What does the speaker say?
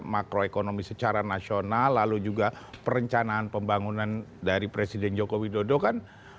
makro ekonomi secara nasional lalu juga perencanaan pembangunan dari presiden jokowi dodo kan